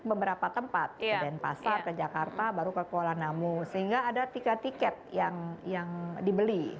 beberapa tempat ke denpasar ke jakarta baru ke kuala namu sehingga ada tiga tiket yang dibeli